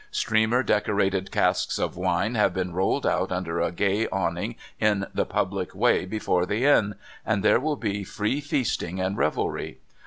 Streamer decorated casks of wine have been rolled out under a gay awning in the public way before the Inn, and there will be free feasting and revelry.